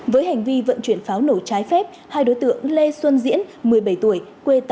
với hành vi vận chuyển pháo nổ trái phép hai đối tượng lê xuân diễn một mươi bảy tuổi